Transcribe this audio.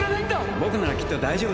僕ならきっと大丈夫だよ兄さん。